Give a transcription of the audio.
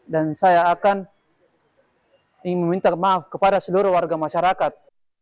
dan saya akan ingin meminta maaf kepada seluruh warga masyarakat